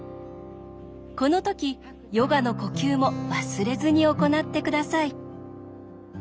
この時ヨガの呼吸も忘れずに行ってください。